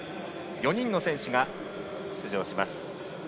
４人の選手が出場します。